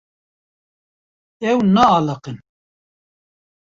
Ew naaliqin.